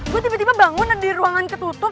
gue tiba dua bangun ada di ruangan ketutup